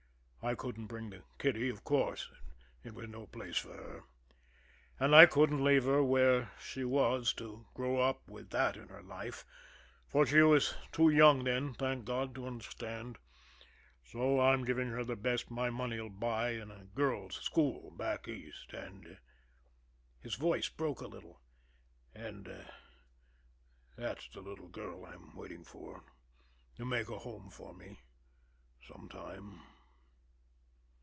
"I couldn't bring the kiddie, of course; it was no place for her. And I couldn't leave her where she was to grow up with that in her life, for she was too young then, thank God, to understand; so I'm giving her the best my money'll buy in a girl's school back East, and" his voice broke a little "and that's the little girl I'm waiting for, to make a home for me some time."